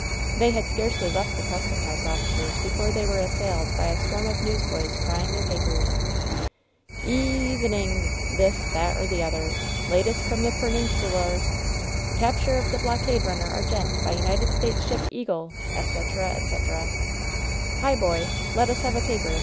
They had scarcely left the custom house officers before WHEN SHADOWS DIE they were assailed by a swarm of newsboys crying their papers. "Eve «i ing ^' this, that, or the other, "Latest from the Pemingsalar!" "Capture of the blockade runner Argente by United States ship Eaglet etc., etc. "Hi! Boy! Let us have a paper